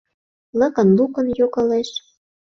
Лыкын-лукын йогалеш;